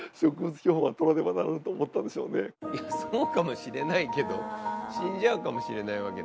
そうかもしれないけど死んじゃうかもしれないわけで。